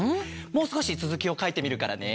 もうすこしつづきをかいてみるからね。